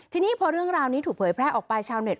ทีนี้พอเรื่องราวนี้ถูกเผยแพร่ออกไปชาวเน็ต